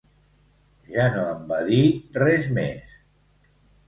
Ja no em va dir res més.